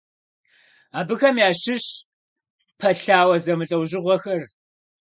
Абыхэм ящыщщ пэлъауэ зэмылӀэужьыгъуэхэр.